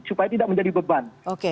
supaya tidak menjadi beban